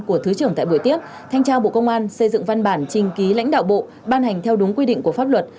của thứ trưởng tại buổi tiếp thanh tra bộ công an xây dựng văn bản trình ký lãnh đạo bộ ban hành theo đúng quy định của pháp luật